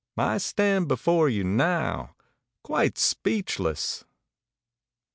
I stand before you now quite speech less!"